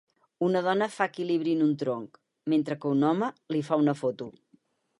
Una dona fa equilibri en un tronc, mentre que un home li fa una foto.